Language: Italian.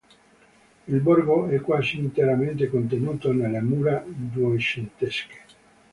Il borgo è quasi interamente contenuto nelle mura duecentesche.